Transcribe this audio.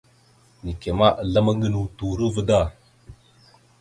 Neke ma, aslam gənaw turova da.